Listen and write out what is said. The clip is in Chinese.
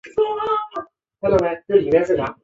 建阳人。